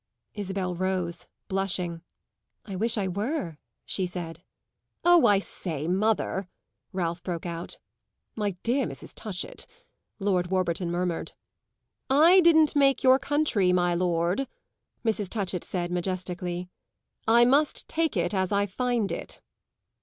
Isabel rose, blushing. "I wish I were," she said. "Oh, I say, mother!" Ralph broke out. "My dear Mrs. Touchett!" Lord Warburton murmured. "I didn't make your country, my lord," Mrs. Touchett said majestically. "I must take it as I find it."